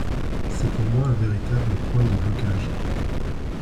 C’est pour moi un véritable point de blocage.